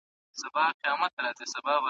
څه شی د مرستو د سم ویش مخه نیسي؟